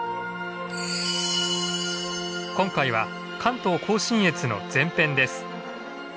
今回は関東甲信越の前編です。